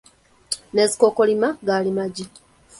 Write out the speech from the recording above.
N’ezikookolima gaali magi.